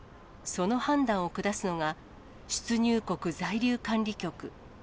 その判断を下すのが出入国在留管理局。